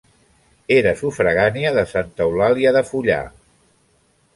Era sufragània de Santa Eulàlia de Fullà.